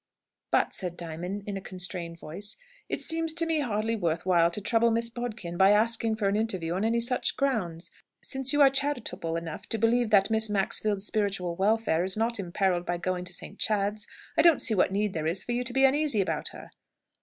"But," said Diamond, in a constrained voice, "it seems to me hardly worth while to trouble Miss Bodkin, by asking for an interview on any such grounds. Since you are charitable enough to believe that Miss Maxfield's spiritual welfare is not imperilled by going to St. Chad's, I don't see what need there is for you to be uneasy about her!"